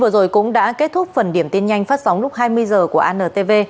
vừa rồi cũng đã kết thúc phần điểm tin nhanh phát sóng lúc hai mươi h của antv